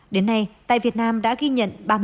đến nay tại việt nam đã ghi nhận